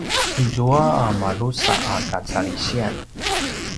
izua a madrusa a kacalisiyan